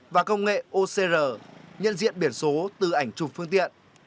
và công nghệ ocr nhận diện biển số từ ảnh chụp phương tiện